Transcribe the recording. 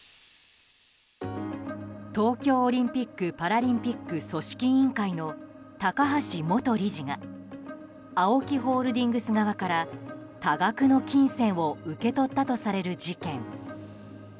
東京オリンピック・パラリンピック組織委員会の高橋元理事がＡＯＫＩホールディングス側から多額の金銭を受け取ったとされる事件。